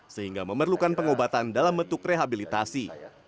sehingga memerlukan pengobatan dalam bentuk rehabilitasi